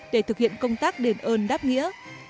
để thực hiện công tác đền ơn đáp nghĩa